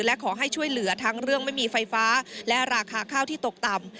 และขอให้ช่วยเหลือทั้งเรื่องไม่มีไฟฟ้าและราคาข้าวที่ตกต่ำ